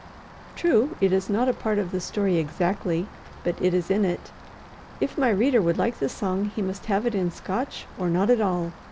True it is not a part of the story exactly, but it is in it. If my reader would like the song, he must have it in Scotch or not at all.